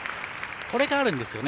これがあるんですよね。